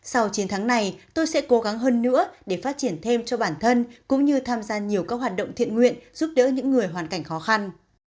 sau chiến thắng này tôi sẽ cố gắng hơn nữa để phát triển thêm cho bản thân cũng như tham gia nhiều các hoạt động thiện nguyện giúp đỡ những người hoàn cảnh khó khăn